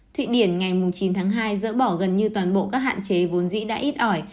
thụy điển ngày chín tháng hai dỡ bỏ gần như toàn bộ các hạn chế vốn dĩ đã ít ỏi